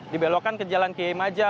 dibelokkan ke jalan kiemaja